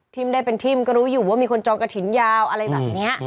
ได้เป็นทิ่มก็รู้อยู่ว่ามีคนจองกระถิ่นยาวอะไรแบบนี้